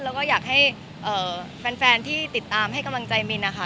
แล้วก็อยากให้แฟนที่ติดตามให้กำลังใจมินนะคะ